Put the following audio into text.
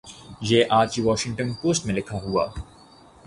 یہ آج کی واشنگٹن پوسٹ میں لکھا ہوا ۔